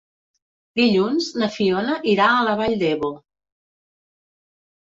Dilluns na Fiona irà a la Vall d'Ebo.